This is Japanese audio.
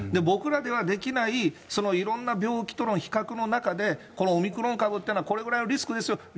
僕らではできない、そのいろんな病気との比較の中でこのオミクロン株っていうのはこれぐらいのリスクですよ。